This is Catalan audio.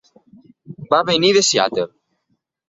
Va venir de Seattle.